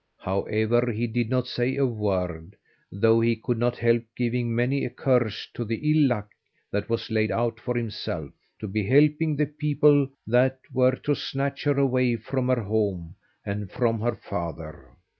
However, he did not say a word, though he could not help giving many a curse to the ill luck that was laid out for himself, to be helping the people that were to snatch her away from her home and from her father.